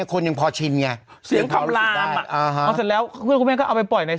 ตอนแรกจะบอกเค้าก็มีบริการขับได้ไง